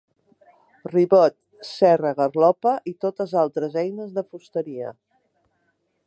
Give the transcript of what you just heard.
Ribot, serra, garlopa i totes altres eines de fusteria.